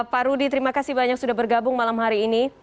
pak rudi terima kasih banyak sudah bergabung malam hari ini